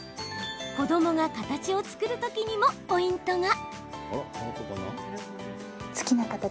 子どもが形を作るときにもポイントが。